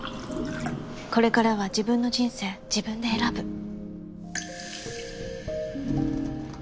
これからは自分の人生自分で選ぶ。